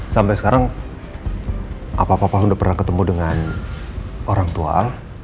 sampai sekarang apa apa sudah pernah ketemu dengan orang tua al